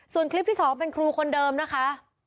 ส่วนคลิปที่๒เป็นครูคนเดิมนะคะ